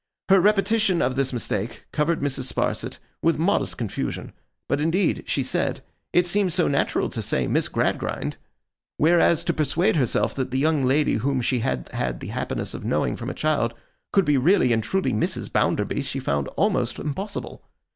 Her repetition of this mistake covered Mrs. Sparsit with modest confusion; but indeed, she said, it seemed so natural to say Miss Gradgrind: whereas, to persuade herself that the young lady whom she had had the happiness of knowing from a child could be really and truly Mrs. Bounderby, she found almost impossible.